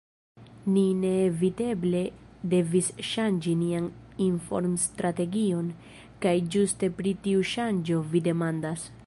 Ni neeviteble devis ŝanĝi nian informstrategion, kaj ĝuste pri tiu ŝanĝo vi demandas.